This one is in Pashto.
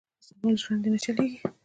پۀ سوال ژرندې نۀ چلېږي.